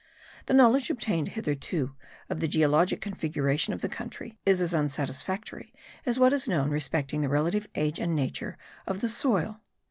The knowledge obtained hitherto of the geologic configuration of the country, is as unsatisfactory as what is known respecting the relative age and nature of the soil.